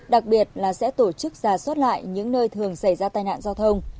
đặc biệt là sẽ tổ chức giả xuất lại những nơi thường xảy ra tai nạn giao thông